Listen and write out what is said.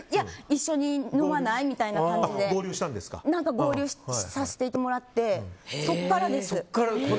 一緒に飲まない？みたいな感じで合流させてもらってそこからです。